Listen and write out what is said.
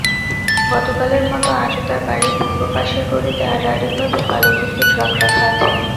গতকালের মতো আজও তাঁর বাড়ির পূর্ব পাশের গলিতে আড়াআড়িভাবে বালুভর্তি ট্রাক রাখা আছে।